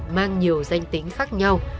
mang nhiều danh tính khác nhau